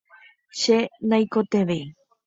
che naikotevẽi.